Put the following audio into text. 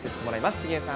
杉江さん。